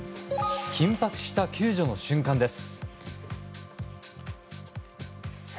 緊迫した救助の瞬間です。